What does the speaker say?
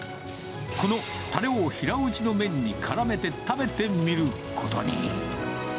このたれを平打ちの麺にからめて、食べてみることに。